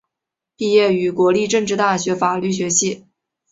毕业于国立政治大学法律学系。